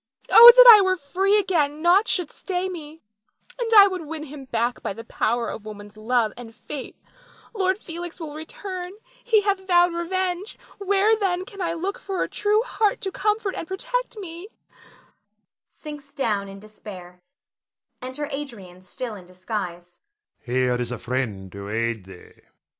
Oh, that I were free again, naught should stay me; and I would win him back by the power of woman's love and faith. Lord Felix will return, he hath vowed revenge; where then can I look for a true heart to comfort and protect me [sinks down in despair]. [Enter Adrian, still in disguise.] Adrian. Here is a friend to aid thee.